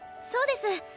そうです！